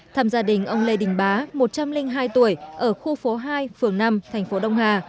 thăm gia đình ông lê đình bá một trăm linh hai tuổi ở khu phố hai phường năm thành phố đông hà